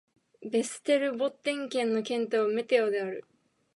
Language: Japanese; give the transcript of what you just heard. ヴェステルボッテン県の県都はウメオである